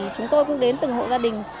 chúng tôi cũng đến từng hộ gia đình